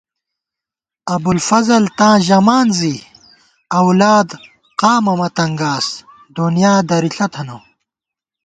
ابُوالفضل تاں ژمان زِی اؤلاد قامہ مہ تنگاس دُنیا درِݪہ تھنہ